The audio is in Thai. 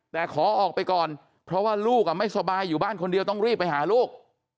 แต่ขอออกไปก่อนเพราะว่าลูกไม่สบายอยู่บ้านคนเดียวต้องรีบไปหาลูก